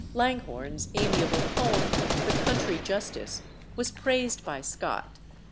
Langhorne's amiable poem, The Country Justice, was praised by Scott.